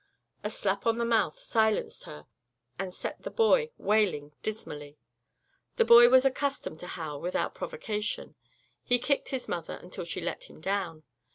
A slap on the mouth silenced her and set the boy wailing dismally. The boy was accustomed to howl without provocation. He kicked his mother until she let him down.